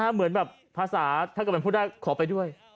เหมือนแบบภาษาถ้าเกิดเป็นผู้ได้ขอไปด้วย